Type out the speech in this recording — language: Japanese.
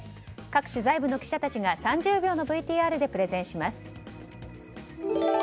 各取材部の記者たちが３０秒のＶＴＲでプレゼンします。